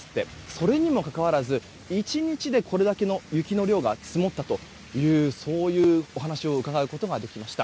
それにもかかわらず１日で、これだけの雪の量が積もったというお話を伺うことができました。